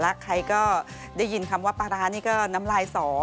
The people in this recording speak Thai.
แล้วใครก็ได้ยินคำว่าปลาร้านี่ก็น้ำลายสอ